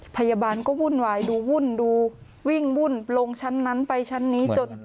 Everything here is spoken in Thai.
พยาบาลก็วุ่นวายดูวุ่นดูวิ่งวุ่นลงชั้นนั้นไปชั้นนี้จน